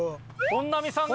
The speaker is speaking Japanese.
本並さん